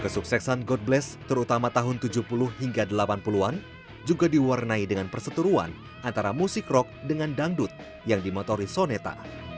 kesuksesan god bless terutama tahun tujuh puluh hingga delapan puluh an juga diwarnai dengan perseteruan antara musik rock dengan dangdut yang dimotori soneta